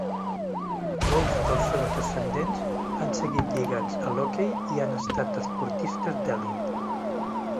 Molts dels seus descendents han seguit lligats a l'hoquei i han estat esportistes d'elit.